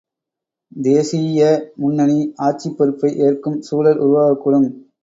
தேசீய முன்னணி ஆட்சிப் பொறுப்பை ஏற்கும் சூழல் உருவாகக் கூடும்!